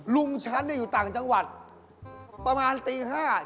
ลุงฉันอยู่ต่างจังหวัดประมาณตี๕